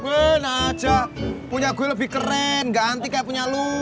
eh naja punya gue lebih keren gak anti kayak punya lu